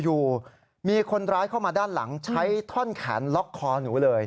อยู่มีคนร้ายเข้ามาด้านหลังใช้ท่อนแขนล็อกคอหนูเลย